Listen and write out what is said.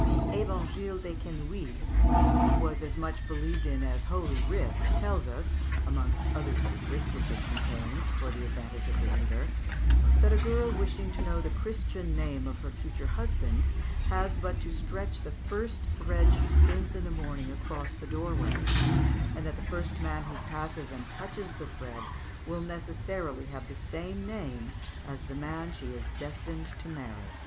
The "Evangile des Quenouilles," which was as much believed in as Holy Writ, tells us, amongst other secrets which it contains for the advantage of the reader, that a girl wishing to know the Christian name of her future husband, has but to stretch the first thread she spins in the morning across the doorway; and that the first man who passes and touches the thread will necessarily have the same name as the man she is destined to marry.